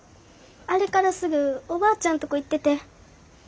あれからすぐおばあちゃんとこ行ってて。